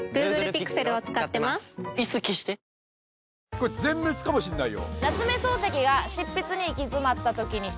これ全滅かもしれないよ。